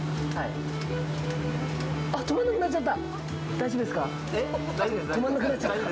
止まらなくなっちゃった！